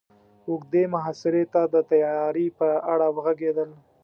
اوږدې محاصرې ته د تياري په اړه وغږېدل.